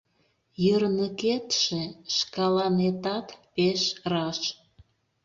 Йырныкетше шкаланетат пеш раш.